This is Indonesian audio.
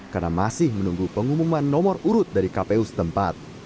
karena masih menunggu pengumuman nomor urut dari kpu setempat